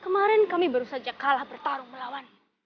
kemarin kami baru saja kalah bertarung melawan